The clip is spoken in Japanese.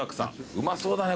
うまそうだね